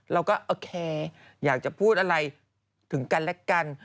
เราก็โอเคอยากจะพูดอะไรถึงกันและกัน